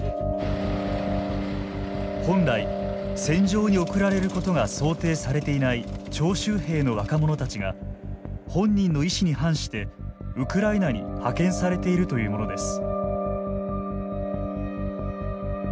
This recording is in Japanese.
本来戦場に送られることが想定されていない「徴集兵」の若者たちが本人の意志に反してウクライナに派遣されているというものです。